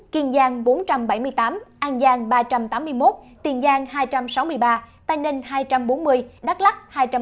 kiên giang bốn trăm bảy mươi tám an giang ba trăm tám mươi một tiền giang hai trăm sáu mươi ba tây ninh hai trăm bốn mươi đắk lắc hai trăm ba mươi